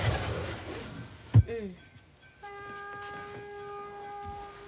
うん。